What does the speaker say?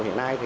hiện nay thì